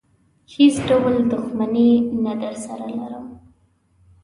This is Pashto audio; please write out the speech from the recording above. هېڅ ډول دښمني نه درسره لرم.